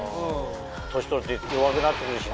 年取ると弱くなってくるしね。